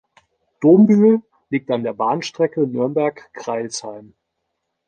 Dombühl liegt an der Bahnstrecke Nürnberg–Crailsheim.